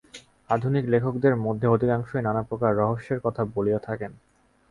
আধুনিক লেখকদের মধ্যে অধিকাংশই নানা প্রকার রহস্যের কথা বলিয়া থাকেন।